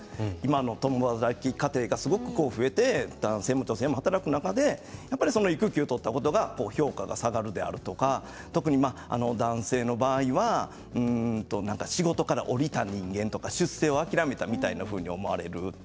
共働き家庭が増えて男性も女性も働く中で育休を取ったことが評価が下がるであるとか特に男性の場合は仕事から降りた人間とか出世を諦めたというふうに思われる。